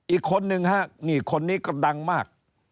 อีกคนนึงฮะนี่คนนี้ก็ดังมาก